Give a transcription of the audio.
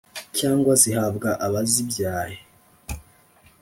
cyangwa zihabwe abazibyaye